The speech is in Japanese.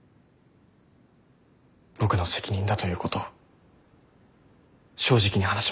僕の責任だということを正直に話します。